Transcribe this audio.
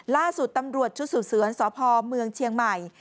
ล่าสุดตำรวจชุดสืบสวนสพเมืองเชียงใหม่